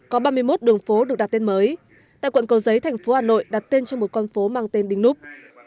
có ba mươi một đường phố được đặt tên mới tại quận cầu giấy tp hà nội đặt tên cho một con phố mang tên đính núp